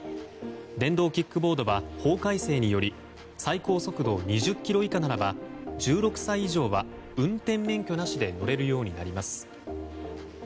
電動キックボードは法改正により最高速度２０キロ以下ならば１６歳以上は運転免許なしで乗れるようになります。